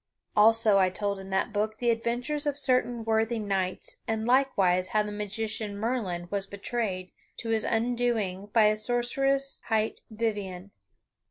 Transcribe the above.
Also I told in that book the adventures of certain worthy knights and likewise how the magician Merlin was betrayed to his undoing by a sorceress hight Vivien.